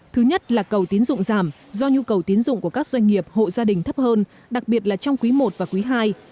thứ nhất là cầu tiến dụng giảm do nhu cầu tiến dụng của các doanh nghiệp hộ gia đình thấp hơn đặc biệt là trong quý i và quý ii